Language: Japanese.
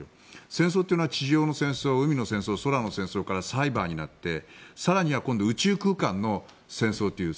戦争というのは地上の戦争、海の戦争空の戦争からサイバーになって更には今度宇宙空間の戦争という。